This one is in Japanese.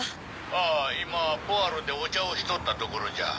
ああ今ポアロでお茶をしとったところじゃ。